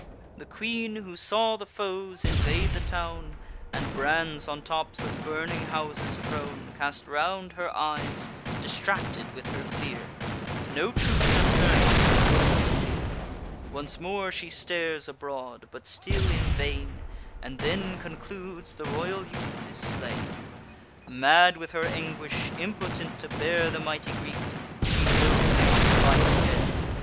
The queen, who saw the foes invade the town, And brands on tops of burning houses thrown, Cast round her eyes, distracted with her fear— No troops of Turnus in the field appear. Once more she stares abroad, but still in vain, And then concludes the royal youth is slain. Mad with her anguish, impotent to bear The mighty grief, she loathes the vital air.